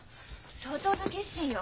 相当な決心よ。